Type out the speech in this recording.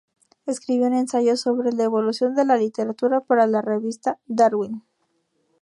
Escribió un ensayo sobre la evolución de la literatura para la revista "Darwin".